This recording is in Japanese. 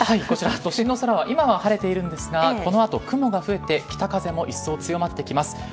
こちら都心の空は今は晴れているんですがこの後、雲が増えて北風も一層強まってきます。